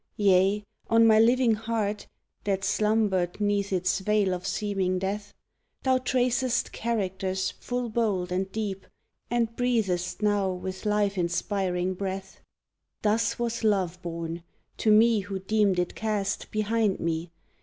Yea, on my living heart, (That slumbered 'neath its veil of seeming death), Thou tracest characters full bold and deep, And breathest now with life inspiring breath! Thus was Love born! To me, who deemed it cast Behind me!